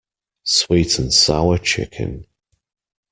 Sweet-and-sour chicken.